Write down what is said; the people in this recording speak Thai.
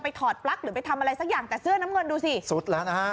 ถอดปลั๊กหรือไปทำอะไรสักอย่างแต่เสื้อน้ำเงินดูสิสุดแล้วนะฮะ